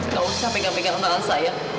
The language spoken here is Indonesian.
tak usah pegang pegang anak saya